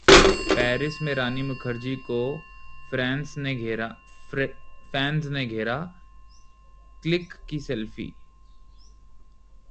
Paris में रानी मुखर्जी को fans ने घेरा, क्लिक की सेल्फी